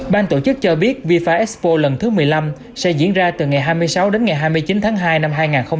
ban tổ chức cho biết fifa expo lần thứ một mươi năm sẽ diễn ra từ ngày hai mươi sáu đến ngày hai mươi chín tháng hai năm hai nghìn hai mươi